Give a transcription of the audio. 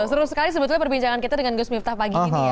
seru sekali sebetulnya perbincangan kita dengan gus miftah pagi ini ya